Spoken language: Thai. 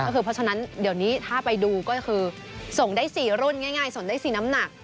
เพราะฉะนั้นเดี๋ยวนี้ถ้าไปดูก็คือส่งได้๔รุ่นง่ายส่งได้๔น้ำหนัก